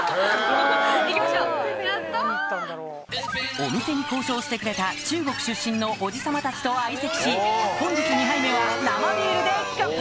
お店に交渉してくれた中国出身のおじさまたちと相席し本日２杯目は生ビールで乾杯！